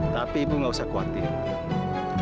tapi ibu gak usah khawatir